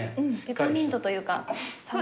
ペパーミントというか。